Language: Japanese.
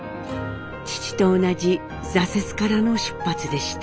父と同じ挫折からの出発でした。